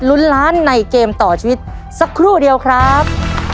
ลุ้นล้านในเกมต่อชีวิตสักครู่เดียวครับ